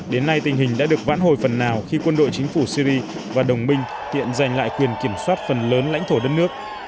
đến nay tình hình đã được vãn hồi phần nào khi quân đội chính phủ syri và đồng minh tiện giành lại quyền kiểm soát phần lớn